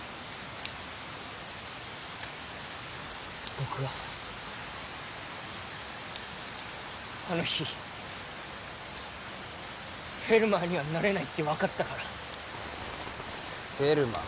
僕はあの日フェルマーにはなれないって分かったからフェルマー？